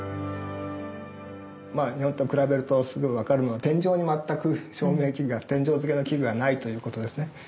日本と比べるとすぐ分かるのは天井に全く照明器具が天井付けの器具がないということですね。